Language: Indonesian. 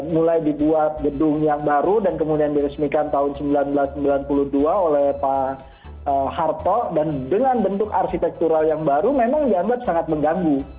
seribu sembilan ratus delapan puluh enam mulai dibuat gedung yang baru dan kemudian diresmikan tahun seribu sembilan ratus sembilan puluh dua oleh pak harto dan dengan bentuk arsitektural yang baru memang gambar sangat mengganggu